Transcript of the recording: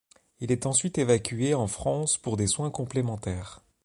Il est ensuite évacué en France pour des soins complémentaires.